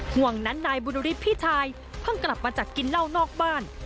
ห่วงนั้นนายบุญฤทธิ์พี่ชายเพิ่งกลับมาจากกินเหล้านอกบ้าน